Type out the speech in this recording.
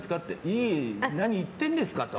いえいえ、何言ってるんですかと。